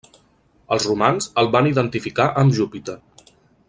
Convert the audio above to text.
Els romans el van identificar amb Júpiter.